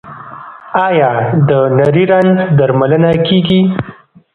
آیا د نري رنځ درملنه کیږي؟